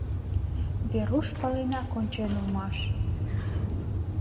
Веруш паленак ончен улмаш.